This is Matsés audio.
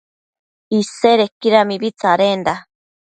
Isedequida mibi tsadenda